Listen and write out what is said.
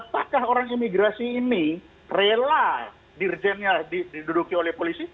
apakah orang imigrasi ini rela dirjennya diduduki oleh polisi